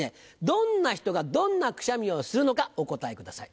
どんな人がどんなくしゃみをするのかお答えください。